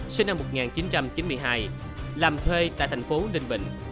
sinh năm một nghìn chín trăm chín mươi hai làm thuê tại thành phố ninh bình